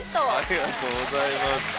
ありがとうございます。